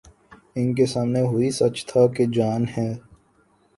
ان کے سامنے وہی سچ تھا کہ جان ہے۔